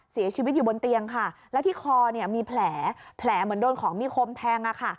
เสียชีวิตอยู่บนเตียงค่ะแล้วที่คอเนี่ยมีแผลเหมือนโดนของมีคมแทง